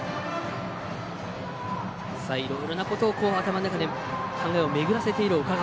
いろいろなことを頭の中で考えを巡らせている岡川。